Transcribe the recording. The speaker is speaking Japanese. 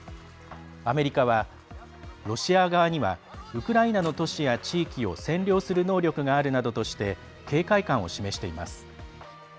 アメリカは、ロシア側にはウクライナの都市や地域を占領する能力があるなどとして警戒感を示しています。